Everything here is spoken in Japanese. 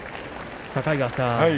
境川さん